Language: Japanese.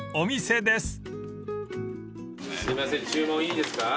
すいません注文いいですか？